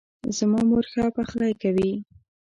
زما مور ښه پخلۍ کوي